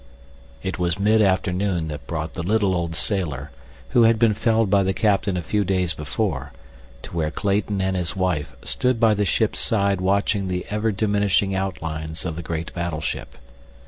It was mid afternoon that brought the little old sailor, who had been felled by the captain a few days before, to where Clayton and his wife stood by the ship's side watching the ever diminishing outlines of the great battleship.